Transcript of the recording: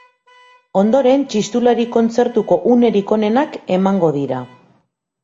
Ondoren txistulari kontzertuko unerik onenak emango dira.